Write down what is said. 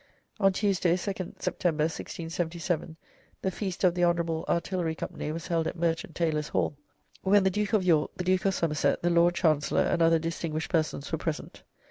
On Tuesday, 10th September, 1677, the Feast of the Hon. Artillery Company was held at Merchant Taylors' Hall, when the Duke of York, the Duke of Somerset, the Lord Chancellor, and other distinguished persons were present.